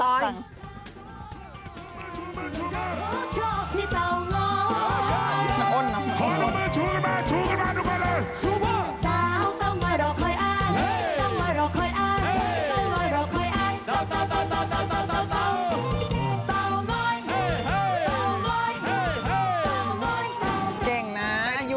เห้ยเต๋างอยเต๋างอยเต๋างอยเขาเต๋า